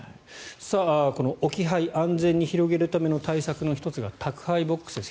置き配安全に広げるための対策の１つが宅配ボックスです。